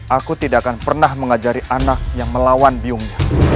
aku tidak akan pernah mengajari anak yang melawan biongmu